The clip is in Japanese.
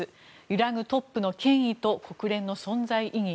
揺らぐトップの権威と国連の存在意義。